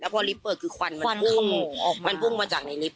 พอนลิฟต์เปิดคือควันควันขโมออกมามันพุ่งมาจากในลิฟต์